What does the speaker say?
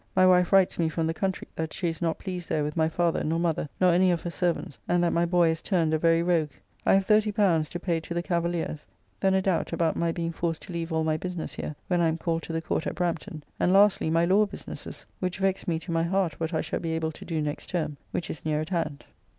My wife writes me from the country that she is not pleased there with my father nor mother, nor any of her servants, and that my boy is turned a very rogue. I have L30 to pay to the cavaliers: then a doubt about my being forced to leave all my business here, when I am called to the court at Brampton; and lastly, my law businesses, which vex me to my heart what I shall be able to do next term, which is near at hand.